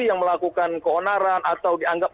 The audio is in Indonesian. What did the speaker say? yang melakukan keonaran atau dianggap